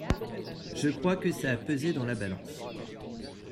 je crois que ça a pesé dans la balance.